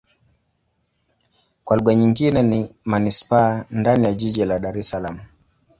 Kwa lugha nyingine ni manisipaa ndani ya jiji la Dar Es Salaam.